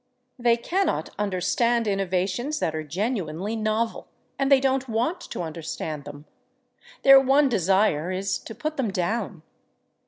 They cannot understand innovations that are genuinely novel and they don't want to understand them; their one desire is to put them down.